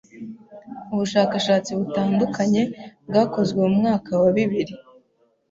Ubushakashatsi butandukanye bwakozwe mu mwaka wa bibiri